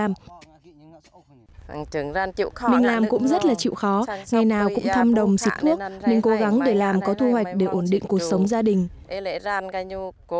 mình làm cũng rất là chịu khó ngày nào cũng thăm đồng xịt thuốc mình cố gắng để làm có thu hoạch để ổn định cuộc sống gia đình